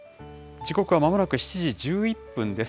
時刻はまもなく７時１１分です。